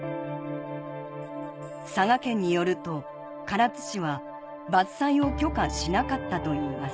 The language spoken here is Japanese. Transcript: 佐賀県によると唐津市は伐採を許可しなかったといいます